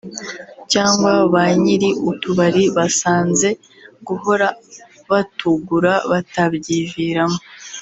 cyangwa ba nyiri utubari basanze guhora batugura batabyiviramo